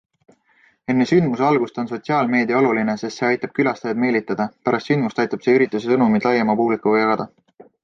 Enne sündmuse algust on sotsiaalmeedia oluline, sest see aitab külastajaid meelitada, pärast sündmust aitab see ürituse sõnumit laiema publikuga jagada.